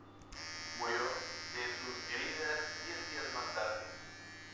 Murió de sus heridas diez días más tarde.